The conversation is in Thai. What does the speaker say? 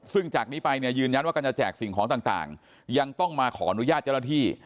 ซึ่งจากนี้ไปเนี่ยยืนยันว่าการจะแจกสิ่งของต่างยังต้องมาขออนุญาตเจ้าหน้าที่